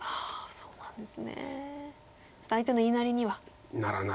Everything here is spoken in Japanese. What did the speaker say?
そうなんです。